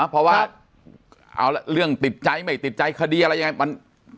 เพราะว่าเอาเรื่องติดใจไม่ติดใจคดีอะไรยังไงมัน